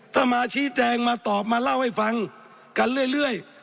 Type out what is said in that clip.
ถ้ามาชี้แจงมาตอบมาเล่าให้ฟังกันเรื่อย